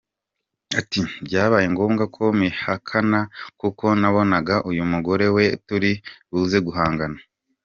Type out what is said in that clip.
Ati: “Byabaye ngombwa ko mbihakana kuko nabonaga uyu mugore we turi buze guhangana”.